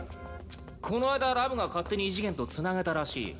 この間ラムが勝手に異次元とつなげたらしい。